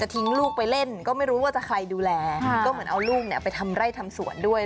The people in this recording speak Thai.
ทิ้งลูกไปเล่นก็ไม่รู้ว่าจะใครดูแลก็เหมือนเอาลูกไปทำไร่ทำสวนด้วย